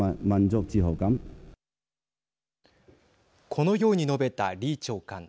このように述べた李長官。